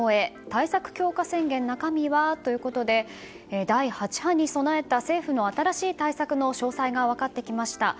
対策強化宣言、中身は？ということで第８波に備えた政府の新しい対策の詳細が分かってきました。